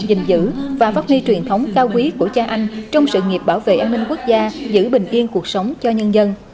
dình dữ và vóc nghi truyền thống cao quý của cha anh trong sự nghiệp bảo vệ an ninh quốc gia giữ bình yên cuộc sống cho nhân dân